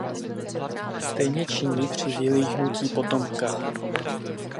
Stejně činí při vylíhnutí potomka.